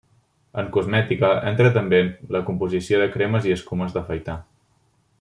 En cosmètica, entra també en la composició de cremes i escumes d'afaitar.